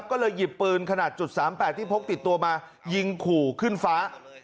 ก็เลยหยิบปืนขนาด๓๘ที่พกติดตัวมายิงขู่ขึ้นฟ้า